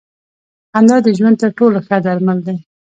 خندا د ژوند تر ټولو ښه درمل دی.